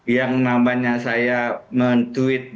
yang namanya saya men tweet